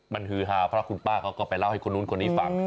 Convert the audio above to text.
มันฮือฮาเพราะคุณป้าเขาก็ไปเล่าให้คนนู้นคนนี้ฟัง